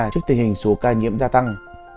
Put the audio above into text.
và số ca nhiễm gia tăng